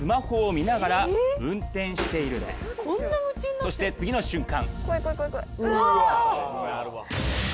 そして次の瞬間。